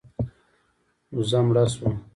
وزمړه سوه.